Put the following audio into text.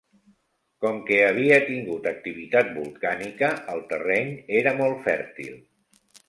Com que havia tingut activitat volcànica el terreny era molt fèrtil.